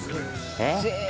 えっ？